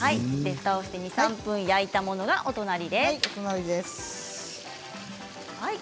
ふたをして２、３分焼いたものがお隣です。